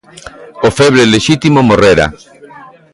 O feble lexítimo morrera.